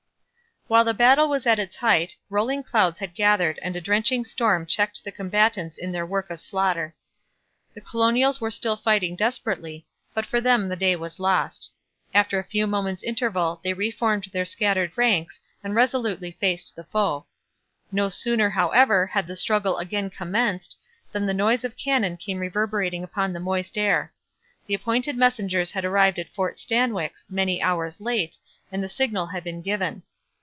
While the battle was at its height, rolling clouds had gathered and a drenching storm checked the combatants in their work of slaughter. The colonials were still fighting desperately, but for them the day was lost. After the few moments' interval they re formed their scattered ranks and resolutely faced the foe. No sooner, however, had the struggle again commenced than the noise of cannon came reverberating upon the moist air. The appointed messengers had arrived at Fort Stanwix, many hours late, and the signal had been given.